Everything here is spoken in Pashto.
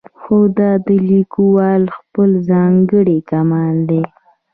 خو دا د لیکوال خپل ځانګړی کمال دی.